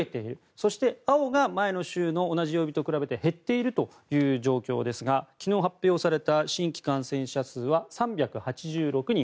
そして青が前の週の同じ曜日と比べて減っているという状況ですが昨日、発表された新規感染者数は３８６人。